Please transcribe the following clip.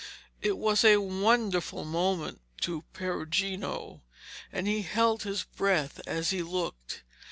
It was a wonderful moment to Perugino, and he held his breath as he looked.